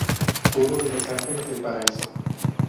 Coro de los ángeles del Paraíso.